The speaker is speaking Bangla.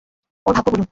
ওর ভাগ্য বলুন।